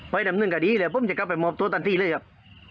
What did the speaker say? ไปนำเนินคดีเลยก็จะคับไปมอบตัวตอนนี้เลยครับ